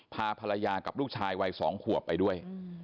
พาภรรยากับลูกชายวัย๒ขวบไปด้วย